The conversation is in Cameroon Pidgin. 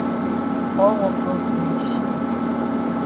All wok don finish.